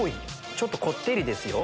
ちょっとこってりですよ。